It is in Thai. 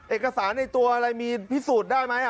เอกสารในตัวอะไรมีพิสูจน์